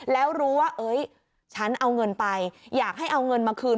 แล้วรู้ว่าเอ้ยฉันเอาเงินไปอยากให้เอาเงินมาคืน